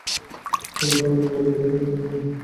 কিন্তু অনেক বড় ত্যাগের বিনিময়ে।